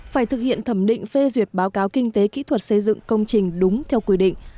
phải thực hiện thẩm định phê duyệt báo cáo kinh tế kỹ thuật xây dựng công trình đúng theo quy định